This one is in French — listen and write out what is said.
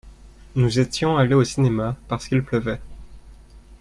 Nous étions allés au cinéma parce qu'il pleuvait.